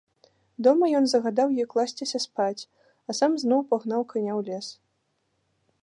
Дома ён загадаў ёй класціся спаць, а сам зноў пагнаў каня ў лес.